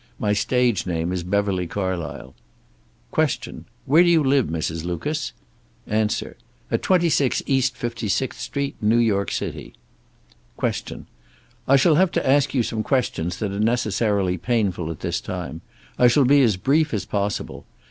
My stage name is Beverly Carlysle." Q. "Where do you live, Mrs. Lucas?" A. "At 26 East 56th Street, New York City." Q. "I shall have to ask you some questions that are necessarily painful at this time. I shall be as brief as possible.